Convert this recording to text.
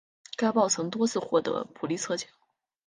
该报曾多次获得普利策奖。